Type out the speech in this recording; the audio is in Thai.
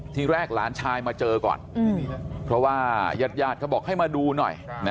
ที่แรกล้านชายมาเจอก่อนอืมเพราะว่ายาจแย่ดข้าบอกให้มาดูหน่อยครับ